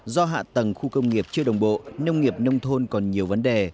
do hạ tầng khu công nghiệp chưa đồng bộ nông nghiệp nông thôn còn nhiều vấn đề